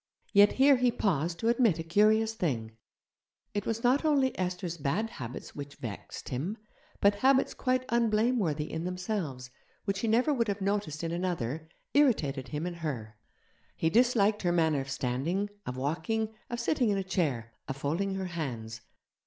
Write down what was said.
Yet here he paused to admit a curious thing: it was not only Esther's bad habits which vexed him, but habits quite unblameworthy in themselves which he never would have noticed in another, irritated him in her. He disliked her manner of standing, of walking, of sitting in a chair, of folding her hands.